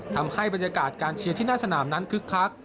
ทำให้บรรยากาศการเชียร์ที่หน้าสนามนั้นคึกคัก